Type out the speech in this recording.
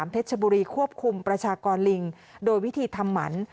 เพชรชบุรีควบคุมประชากรลิงโดยวิธีทำหมัน